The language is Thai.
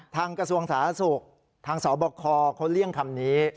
ทางกระทรวงศาสตร์สูงค์ทางสอบคเขาเลี่ยงคำนี้